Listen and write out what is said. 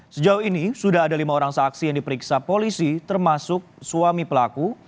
sejauh ini sudah ada lima orang saksi yang diperiksa polisi termasuk suami pelaku